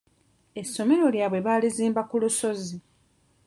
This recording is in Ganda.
Essomero lyabwe baalizimba ku lusozi.